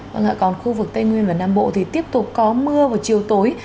vâng ạ còn khu vực tây nguyên và nam bộ thì tiếp tục có mưa vào chiều tối